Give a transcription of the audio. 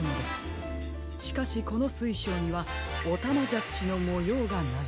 しかしこのすいしょうにはおたまじゃくしのもようがない。